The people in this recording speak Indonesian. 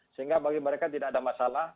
sehingga bagi mereka tidak ada masalah